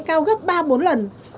cao gấp ba bốn lần